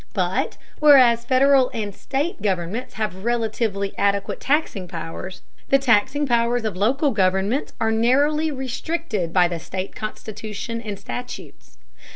But whereas Federal and state governments have relatively adequate taxing powers, the taxing powers of local governments are narrowly restricted by the state constitution and statutes.